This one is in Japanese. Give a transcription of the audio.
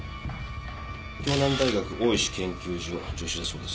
京南大学大石研究所助手だそうです。